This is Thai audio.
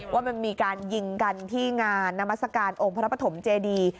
ว่ามันมีการยิงกันที่งานนามัศกาลองค์พระปฐมเจดี